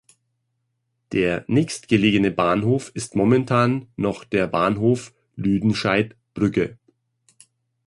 Der nächstgelegene Bahnhof ist momentan noch der Bahnhof Lüdenscheid-Brügge.